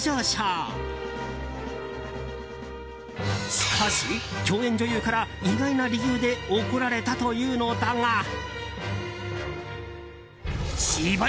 しかし、共演女優から意外な理由で怒られたというのだが。